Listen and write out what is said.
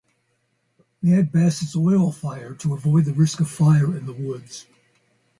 "Mad Bess" is oil-fired to avoid the risk of fire in the woods.